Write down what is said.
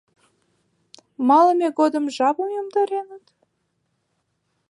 — Малыме годым жапым йомдарет?